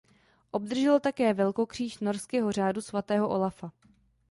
Obdržel také velkokříž norského Řádu svatého Olafa.